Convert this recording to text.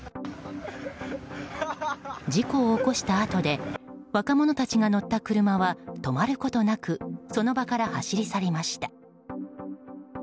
事故を起こしたあとで若者たちが乗った車は止まることなくその場から走り去りました。